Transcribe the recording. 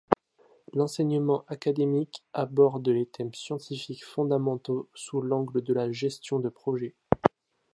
L’enseignement académique aborde les thèmes scientifiques fondamentaux sous l'angle de la gestion de projets.